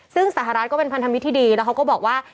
ซึ่งสหรัฐก็เป็นพันธมิตรที่ดีแล้วเขาก็บอกว่า